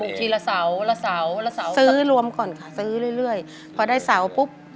ทีละเสาละเสาละเสาซื้อรวมก่อนค่ะซื้อเรื่อยเรื่อยพอได้เสาปุ๊บ